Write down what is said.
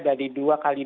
dari dua kali